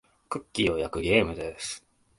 クッキーを焼くゲームです。